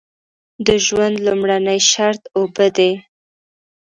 د ژوند لومړنی شرط اوبه دي.